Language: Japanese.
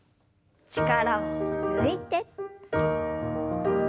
力を抜いて。